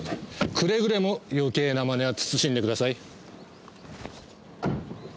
くれぐれも余計な真似は慎んでください。